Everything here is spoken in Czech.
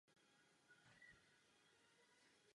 Batman současně není zakládajícím členem Justice League.